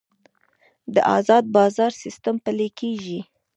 د ازاد بازار سیستم پلی کیږي